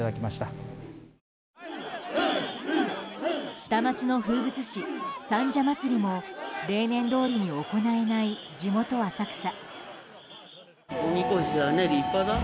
下町の風物詩・三社祭も例年どおりに行えない地元・浅草。